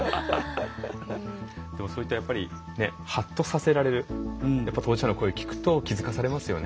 でもそういったハッとさせられるやっぱり当事者の声を聞くと気付かされますよね。